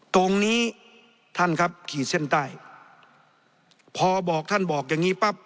ตรงนี้ท่านครับขี่เส้นใต้พอบอกท่านบอกอย่างงี้ปั๊บ